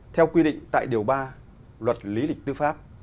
theo quy định tại điều ba luật lý lịch tư pháp